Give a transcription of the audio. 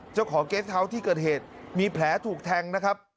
เจ้าของเกสเฮาส์ที่เกิดเหตุมีแผลถูกแทงนะครับ